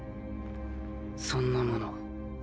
そんなもの